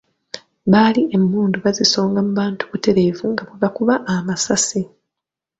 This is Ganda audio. Baali emmundu baazisonga mu bantu butereevu nga bwe bakuba amasasi.